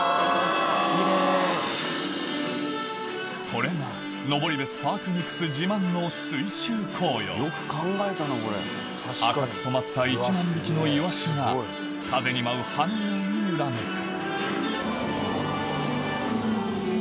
これが登別パークニクス自慢の水中紅葉赤く染まった１万匹のイワシが風に舞う葉のように揺らめく